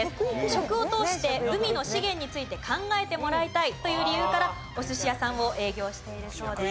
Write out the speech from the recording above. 食を通して海の資源について考えてもらいたいという理由からお寿司屋さんを営業しているそうです。